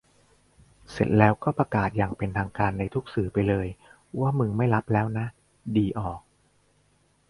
เสร็จแล้วก็ประกาศอย่างเป็นทางการในทุกสื่อไปเลย ว่ามึงไม่ลับแล้วนะ ดีออก